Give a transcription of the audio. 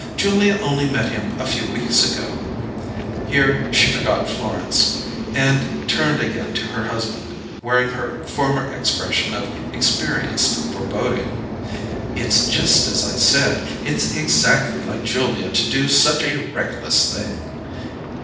Julia only met him a few weeks ago." Here she forgot Florence, and turned again to her husband, wearing her former expression of experienced foreboding. "It's just as I said. It's exactly like Julia to do such a reckless thing!"